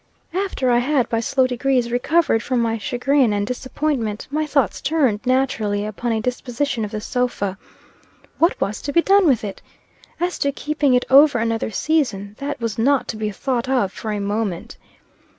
After I had, by slow degrees, recovered from my chagrin and disappointment, my thoughts turned, naturally, upon a disposition of the sofa. What was to be done with it? As to keeping it over another season, that was not to be thought of for a moment.